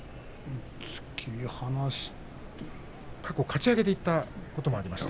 過去かち上げていったこともあります。